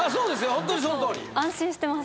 本当にそのとおり安心してます